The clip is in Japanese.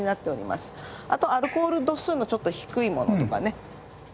あとアルコール度数のちょっと低いものとかね。